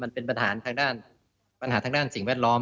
มันเป็นปัญหาทางด้านสิ่งแวดล้อม